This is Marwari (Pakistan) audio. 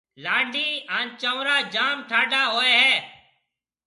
لانڊَي ھان چنورا جام ٺاڊا ھوئيَ ھيََََ